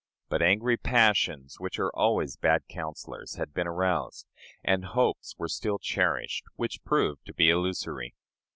But angry passions, which are always bad counselors, had been aroused, and hopes were still cherished, which proved to be illusory.